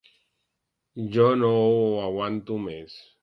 Ja no ho aguanto més.